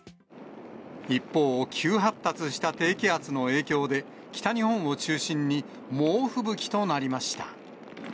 一方、急発達した低気圧の影響で、北日本を中心に猛吹雪となりました。